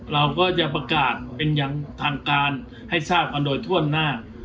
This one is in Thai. เราก็จะประกาศเป็นอย่างทางการให้ทราบกันโดยทั่วหน้า